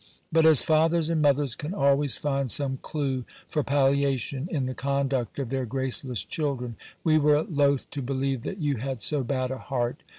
But as fathers and mothers can always find some clue for palliation in the conduct of their graceless children, we were loth to believe that you had so bad a heart.